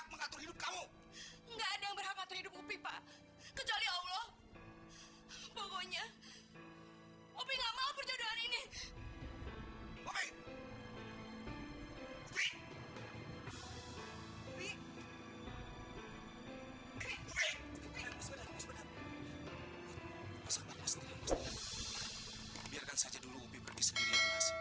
mas tidak biarkan saja dulu omi pergi sendirian mas